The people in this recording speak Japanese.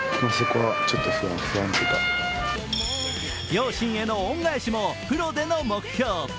両親への恩返しもプロでの目標。